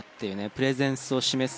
プレゼンスを示す。